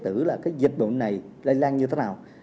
thử là cái dịch bệnh này lây lan như thế nào